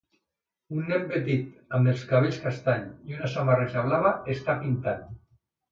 Un nen petit amb els cabells castanys i una samarreta blava està pintant.